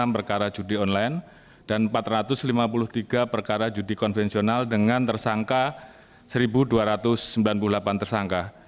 enam perkara judi online dan empat ratus lima puluh tiga perkara judi konvensional dengan tersangka satu dua ratus sembilan puluh delapan tersangka